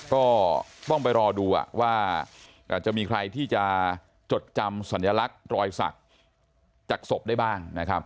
ก็ต้องไปรอดูว่าจะมีใครที่จะจดจำสัญลักษณ์รอยศักดิ์จากศพได้บ้างนะครับ